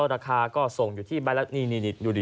ราคาก็ส่งอยู่ที่ใบละนี่ดูดิ